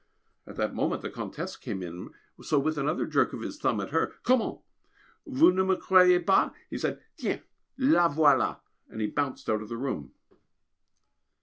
At that moment the Comtesse came in, so with another jerk of his thumb at her, "Comment! vous ne me croyez pas?" he said, "tiens la voilà!" and he bounced out of the room.